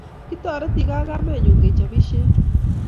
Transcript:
Kitoretikei ak kamenyu kechopisie